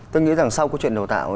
tôi nghĩ rằng sau câu chuyện đào tạo